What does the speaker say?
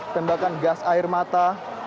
tembakan gas air mata